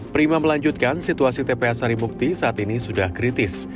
prima melanjutkan situasi tps saribukti saat ini sudah kritis